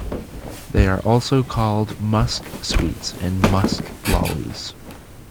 They are also called 'musk sweets' and 'musk lollies'.